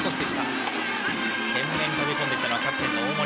懸命に飛び込んできたのはキャプテンの大森。